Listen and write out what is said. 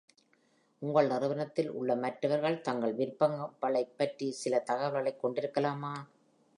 உங்கள் நிறுவனத்தில் உள்ள மற்றவர்கள் தங்கள் விருப்பங்களைப் பற்றி சில தகவல்களைக் கொண்டிருக்கலாமா?